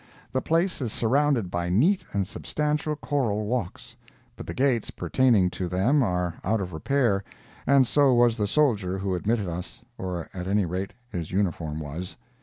The place is surrounded by neat and substantial coral walks, but the gates pertaining to them are out of repair, and so was the soldier who admitted us—or at any rate his uniform was.